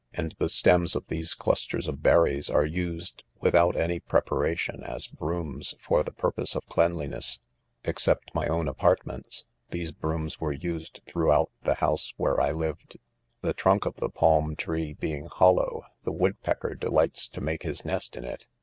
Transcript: ; and the stems of these clus ters of berries are used, without any preparation, as brooms for the' purpose of cleanliness* Except my' own ■apartments, these brooms were used throughout 'the house where I lived. NOTES. 233 The trunk of the palm tree being hollow, the woodpec ker delights to make his nest in it.